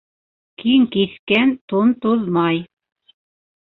Киң киҫкән тун туҙмай.